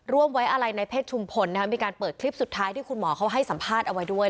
ร่วมไว้อะไรในเพศชุมพลมีการเปิดคลิปสุดท้ายที่คุณหมอเขาให้สัมภาษณ์เอาไว้ด้วย